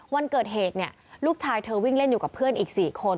วันเกิดเหตุเนี่ยลูกชายเธอวิ่งเล่นอยู่กับเพื่อนอีก๔คน